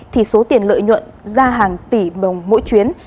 thì số tiền lợi nhuận ra hàng tỷ đồng mỗi chuyến